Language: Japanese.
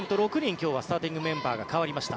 今日はスターティングメンバーが代わりました。